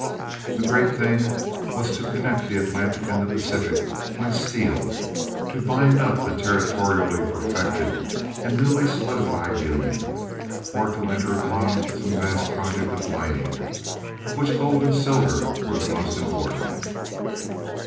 The great thing was to connect the Atlantic and the Pacific by steel, to bind up the territorially perfected and newly solidified Union, or to enter upon some vast project of mining, of which gold and silver were the most important.